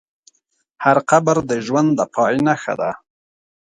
هر قبر د ژوند د پای نښه ده.